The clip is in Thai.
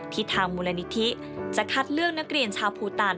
ทางมูลนิธิจะคัดเลือกนักเรียนชาวภูตาน